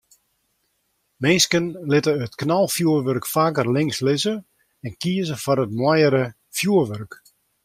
Minsken litte it knalfjoerwurk faker links lizze en kieze foar it moaiere fjoerwurk.